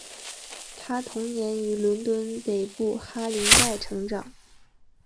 她童年于伦敦北部哈林盖成长。